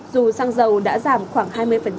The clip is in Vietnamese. dù xăng dầu đã giảm khoảng hai mươi